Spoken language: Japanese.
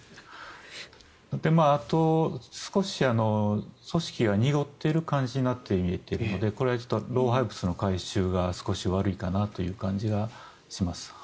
あと、少し組織が濁っている感じになって見えているのでこれはちょっと老廃物の回収が少し悪いかなという感じがします。